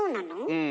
うん。